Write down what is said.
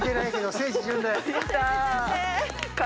聖地巡礼。